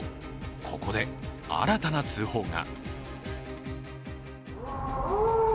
ここで新たな通報が。